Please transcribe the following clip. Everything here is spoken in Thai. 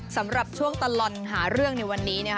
สำหรับช่วงตลอดหาเรื่องในวันนี้